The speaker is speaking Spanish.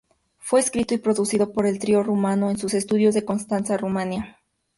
Fue escrito y producido por el trio rumano en sus estudios en Constanza, Rumania.